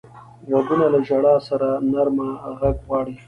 غوږونه له ژړا سره نرمه غږ غواړي